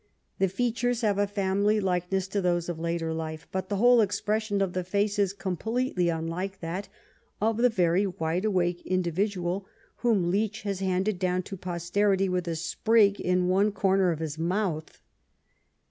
The features have a family likeness to those of later life^ but the whole expression of the face is completely un like that of the very wide awake individual whom Leech has handed down to posterity with a sprig in one corner of his mouth.